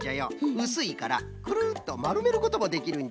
うすいからクルッとまるめることもできるんじゃ。